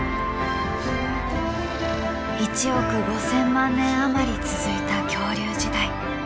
１億５，０００万年余り続いた恐竜時代。